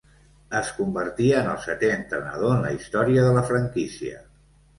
Es convertia en el setè entrenador en la història de la franquícia.